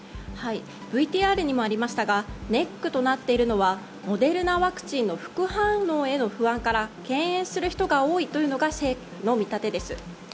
ＶＴＲにもありましたがネックとなっているのはモデルナワクチンの副反応を敬遠する人が多いという見立てです。